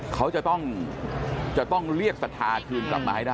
เขาจะต้องเรียกศรัทธาคืนกลับมาให้ได้